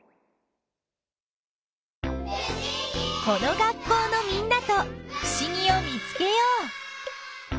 この学校のみんなとふしぎを見つけよう。